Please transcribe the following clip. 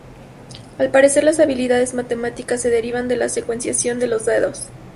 Al parecer las habilidades matemáticas se derivan de la secuenciación de los dedos.